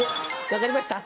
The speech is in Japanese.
分かりました？